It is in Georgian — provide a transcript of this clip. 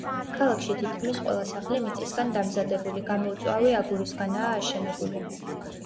ქალაქში თითქმის ყველა სახლი მიწისგან დამზადებული, გამოუწვავი აგურისგანაა აშენებული.